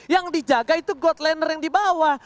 yang dijaga itu got laner yang di bawah